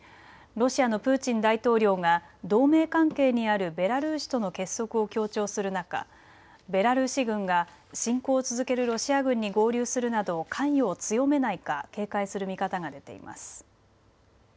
ロシアのプーチン大統領が同盟関係にあるベラルーシとの結束を強調する中、ベラルーシ軍が侵攻を続けるロシア軍に合流するなど関与を強めないか警戒する見方が出ています。